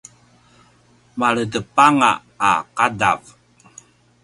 maledepanga a ’adav